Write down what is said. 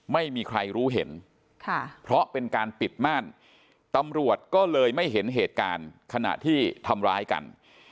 ไม่มีใครรู้เห็นค่ะเพราะเป็นการปิดม่านตำรวจก็เลยไม่เห็นเหตุการณ์ขณะที่ทำร้ายกัน